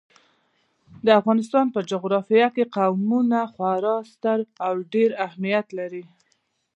د افغانستان په جغرافیه کې قومونه خورا ستر او ډېر اهمیت لري.